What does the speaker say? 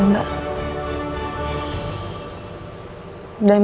dan mbak akan cari bukti itu